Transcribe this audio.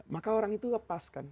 maka orang itu lepas kan